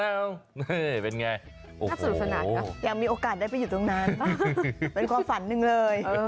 ยังมีโอกาสได้ไปอยู่ตรงนั้นเป็นความฝันหนึ่งเลย